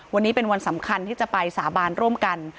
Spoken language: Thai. วันนี้เป็นวันสำคัญที่จะไปสาบานร่วมกัน